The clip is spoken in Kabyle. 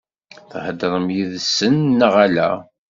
Theḍṛem yid-sen neɣ ala?